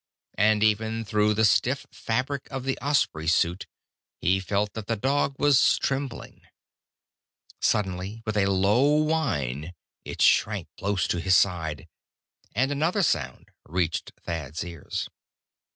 And even through the stiff fabric of the Osprey suit, he felt that the dog was trembling. Suddenly, with a low whine, it shrank close to his side. And another sound reached Thad's ears.